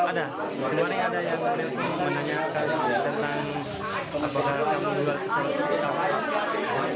kemarin ada yang menanyakan tentang apa saya akan menjual pesawat